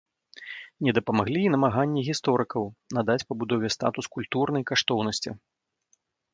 Не дапамаглі і намаганні гісторыкаў надаць пабудове статус культурнай каштоўнасці.